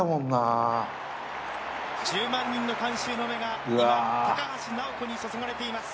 １０万人の観衆の目が高橋尚子に注がれています。